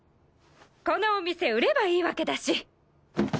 このお店売ればいいわけだし。